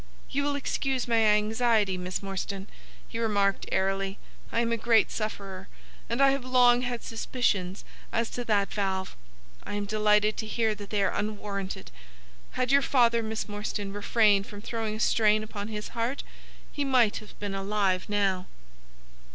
"You will excuse my anxiety, Miss Morstan," he remarked, airily. "I am a great sufferer, and I have long had suspicions as to that valve. I am delighted to hear that they are unwarranted. Had your father, Miss Morstan, refrained from throwing a strain upon his heart, he might have been alive now."